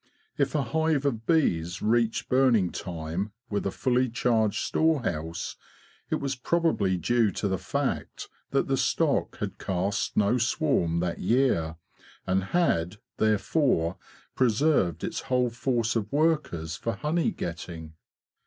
If a Rive of bees reached burning time with a fully charged store house, it was probably due to the fact that the stock had cast no swarm that year, and had, therefore, preserved its whole force of workers for honey getting.